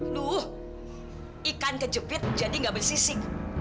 aduh ikan kejepit jadi nggak bersisik